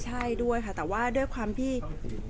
แต่ว่าสามีด้วยคือเราอยู่บ้านเดิมแต่ว่าสามีด้วยคือเราอยู่บ้านเดิม